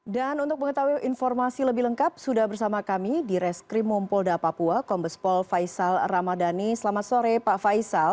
dan untuk mengetahui informasi lebih lengkap sudah bersama kami di reskrim mumpolda papua kombespol faisal ramadhani selamat sore pak faisal